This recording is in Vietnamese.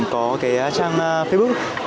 có cái trang facebook